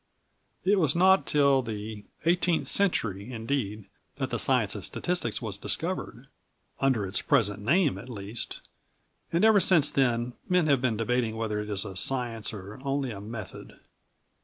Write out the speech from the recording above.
It was not till the eighteenth century indeed that the science of statistics was discovered under its present name, at least and ever since then men have been debating whether it is a science or only a method.